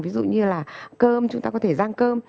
ví dụ như là cơm chúng ta có thể răng cơm